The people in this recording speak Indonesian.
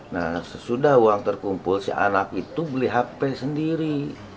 nah sesudah uang terkumpul si anak itu beli hp sendiri